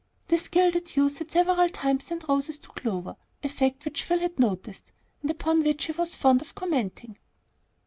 This gilded youth had several times sent roses to Clover, a fact which Phil had noticed, and upon which he was fond of commenting.